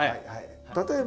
例えば。